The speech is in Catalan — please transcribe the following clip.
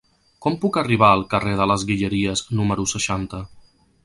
Com puc arribar al carrer de les Guilleries número seixanta?